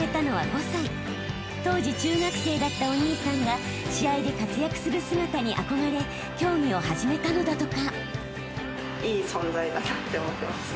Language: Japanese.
［当時中学生だったお兄さんが試合で活躍する姿に憧れ競技を始めたのだとか］